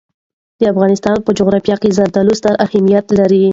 د افغانستان په جغرافیه کې زردالو ستر اهمیت لري.